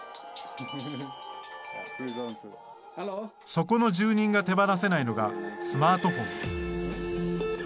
そこの住人が手放せないのがスマートフォン。